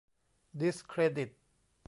ดิสเครดิต